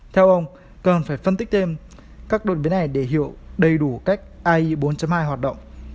theo ông cần phải phân tích thêm các đồn biến này để hiểu đầy đủ cách ai bốn hai hoạt động